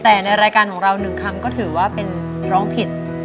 แต่ในรายการของเราหนึ่งคำก็ถือว่าเป็นร้องผิด